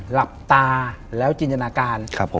หลับตาแล้วจินตนาการ